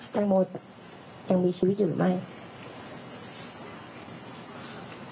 แตงโมจะยังมีชีวิตอยู่หรือไม่